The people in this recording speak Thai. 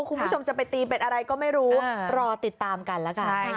คุณผู้ชมจะไปตีเป็นอะไรก็ไม่รู้รอติดตามกันแล้วกัน